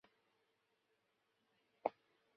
本尼迪克塔生于意大利米兰。